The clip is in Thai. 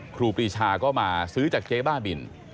ครูปรีชาก็มาซื้อจากเจ๊บ้าบิน